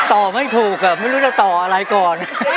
ต่อไม่ถูกไม่รู้จะต่ออะไรก่อน